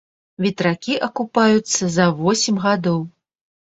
Ветракі акупаюцца за восем гадоў.